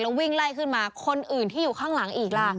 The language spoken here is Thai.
วิ่งไล่ขึ้นมาคนอื่นที่อยู่ข้างหลังอีกล่ะ